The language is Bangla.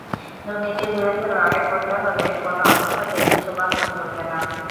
দুর্নীতির বিরুদ্ধে লড়াই করতে হলে কোনো অবস্থাতেই পিছপা হলে চলবে না।